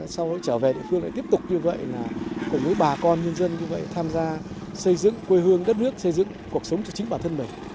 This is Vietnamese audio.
sau đó trở về địa phương lại tiếp tục như vậy là cùng với bà con nhân dân như vậy tham gia xây dựng quê hương đất nước xây dựng cuộc sống cho chính bản thân mình